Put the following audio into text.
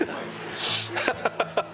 ハハハハ！